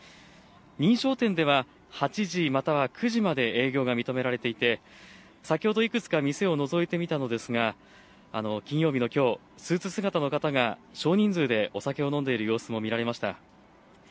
認証店では８時、または９時まで営業が認められていて先ほどいくつか店をのぞいてみたのですが金曜日のきょう、スーツ姿の方が少人数でお酒を飲んでいる様子も見られました。